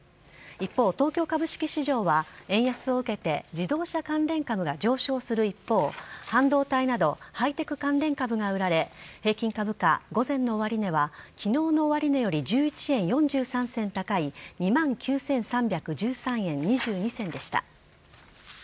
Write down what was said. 一方、東京株式市場は円安を受けて、自動車関連株が上昇する一方、半導体など、ハイテク関連株が売られ、平均株価午前の終値はきのう終値より１１円４３銭高い、２万９３１３円２２銭でした。